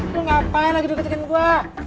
lu ngapain lagi deket dekin gua